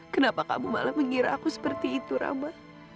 kenapa kamu malah mengira aku seperti itu rama